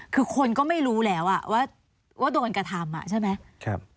คือคนก็ไม่รู้แล้วว่าโดนกระทำใช่ไหม